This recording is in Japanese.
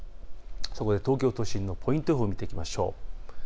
そこで東京都心のポイント予報を見ていきましょう。